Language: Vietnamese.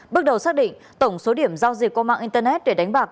bước đầu xác định tổng số điểm giao dịch qua mạng internet để đánh bạc